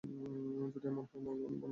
যদি এমন হয়, অমল মন্দাকে ভালোবাসে।